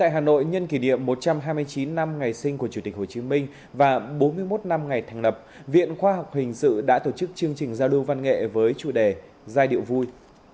hà nội nhân kỷ niệm một trăm hai mươi chín năm ngày sinh của chủ tịch hồ chí minh và bốn mươi một năm ngày thành lập viện khoa học hình sự đã tổ chức chương trình giao lưu văn nghệ với chủ đề giai điệu vui